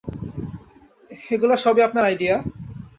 এগুলোর সবই আপনার আইডিয়া?